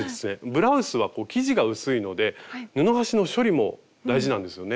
ブラウスは生地が薄いので布端の処理も大事なんですよね。